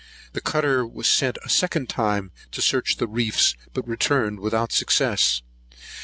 The cutter was sent a second time to search the reefs, but returned without success.